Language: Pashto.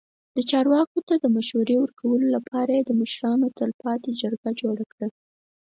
چارواکو ته د مشورې ورکولو لپاره یې د مشرانو تلپاتې جرګه جوړه کړه.